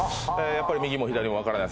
やっぱり右も左も分からない